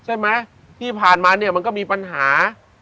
ใช่ไหมที่ผ่านมาเนี่ยมันก็มีปัญหา